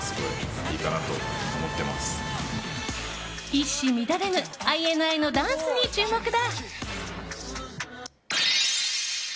一糸乱れぬＩＮＩのダンスに注目だ。